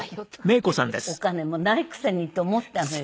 お金もないくせにと思ったのよ。